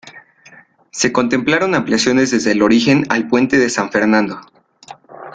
Se contemplaron ampliaciones desde el origen al puente de San Fernando.